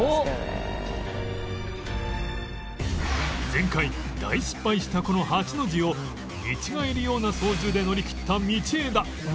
前回大失敗したこの８の字を見違えるような操縦で乗り切った道枝